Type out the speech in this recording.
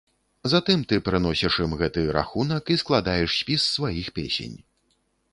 Затым ты прыносіш ім гэты рахунак і складаеш спіс сваіх песень.